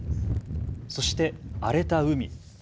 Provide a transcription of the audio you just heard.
そして荒れた海。